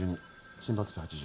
心拍数８０。